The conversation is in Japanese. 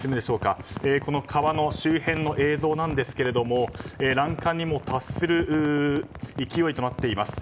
この川の周辺の映像なんですけれども欄干に達する勢いとなっています。